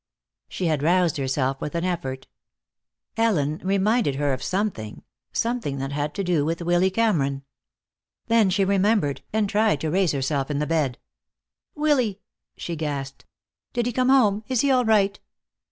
She had roused herself with an effort. Ellen reminded her of something, something that had to do with Willy Cameron. Then she remembered, and tried to raise herself in the bed. "Willy!" she gasped. "Did he come home? Is he all right?"